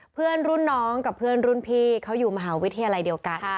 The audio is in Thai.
เพื่อนรุ่นน้องกับเพื่อนรุ่นพี่เขาอยู่มหาวิทยาลัยเดียวกัน